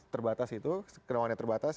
terbatas itu kenawannya terbatas